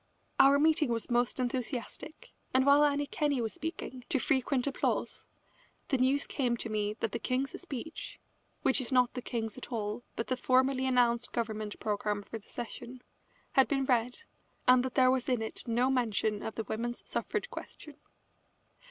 Our meeting was most enthusiastic, and while Annie Kenney was speaking, to frequent applause, the news came to me that the King's speech (which is not the King's at all, but the formally announced Government programme for the session) had been read, and that there was in it no mention of the women's suffrage question.